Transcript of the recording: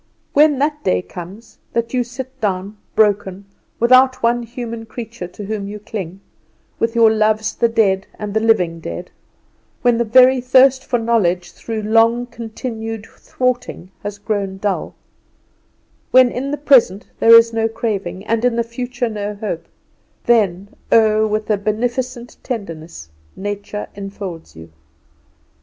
When that day comes, that you sit down broken, without one human creature to whom you cling, with your loves the dead and the living dead; when the very thirst for knowledge through long continued thwarting has grown dull; when in the present there is no craving, and in the future no hope, then, oh, with a beneficent tenderness, Nature infolds you.